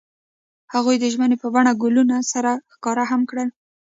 هغوی د ژمنې په بڼه ګلونه سره ښکاره هم کړه.